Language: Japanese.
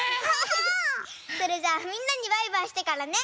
それじゃあみんなにバイバイしてからね。